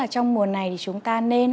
trong mùa này chúng ta nên